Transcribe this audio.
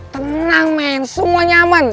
tenang men semua nyaman